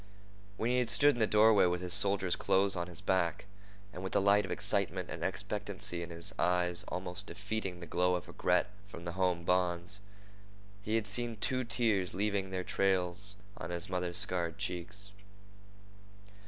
When he had stood in the doorway with his soldier's clothes on his back, and with the light of excitement and expectancy in his eyes almost defeating the glow of regret for the home bonds, he had seen two tears leaving their trails on his mother's scarred cheeks.